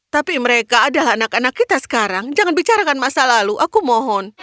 tapi mereka adalah anak anak kita sekarang jangan bicarakan masa lalu aku mohon